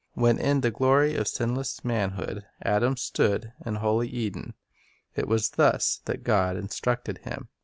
When in the glory of sinless manhood Adam stood in holy Eden, it was thus that God instructed him.